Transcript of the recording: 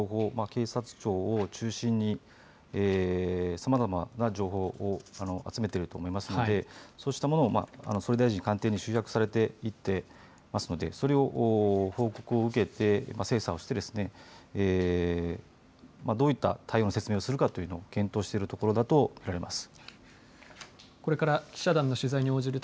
警察庁を中心にさまざまな情報を集めていると思いますのでそうしたものを総理大臣官邸に集約されていっていますのでそれを報告を受けて精査をしてですねどういったような説明をするかを検討しているところだとみられます。